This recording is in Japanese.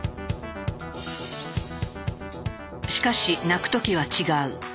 しかし泣く時は違う。